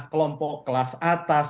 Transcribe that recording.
kelompok kelas atas